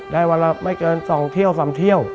ได้วันละไม่เกิน๒๓เที่ยว